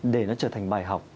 để nó trở thành bài học